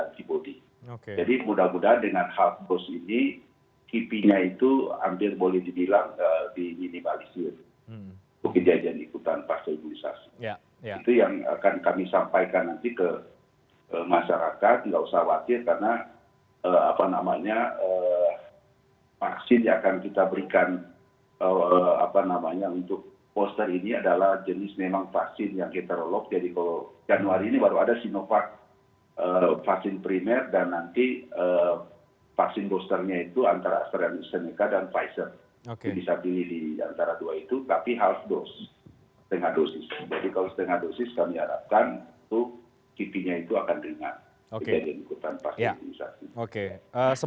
kecimbang responden dengan latar belakang pendidikan dan pendapatan yang menengah ke atas